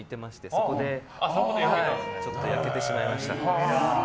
そこでちょっと焼けてしまいました。